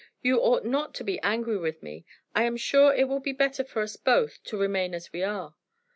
You ought not to be angry with me. I am sure it will be better for us both to remain as we are."